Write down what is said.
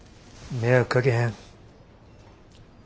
迷惑かけへん。